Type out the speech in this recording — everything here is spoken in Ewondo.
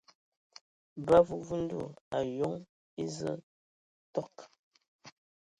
Ba vuvundu ayoŋ eza tok.